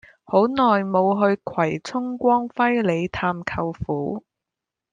好耐無去葵涌光輝里探舅父